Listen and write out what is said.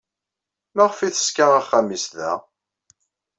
Maɣef ay teṣka axxam-nnes da?